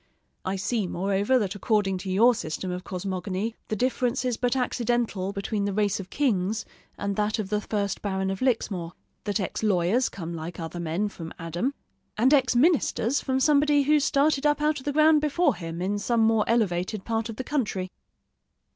I see, moreover, that according to your system of cosmogony, the difference is but accidental between the race of kings and that of the first Baron of Lixmore: that ex lawyers come like other men from Adam, and ex ministers from somebody who started up out of the ground before him, in some more elevated part of the country.